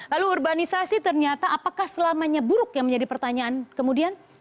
lalu urbanisasi ternyata apakah selamanya buruk yang menjadi pertanyaan kemudian